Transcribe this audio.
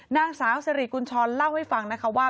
นางสาวสิริกุญชรเล่าให้ฟังนะคะว่า